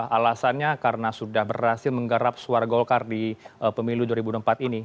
alasannya karena sudah berhasil menggarap suara golkar di pemilu dua ribu dua puluh empat ini